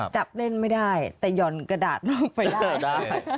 จับเล่นไม่ได้แต่หย่อนกระดาษน้องไปได้